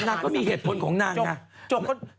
อ๋อแต่ละมีเหตุผลของนั้นค่ะ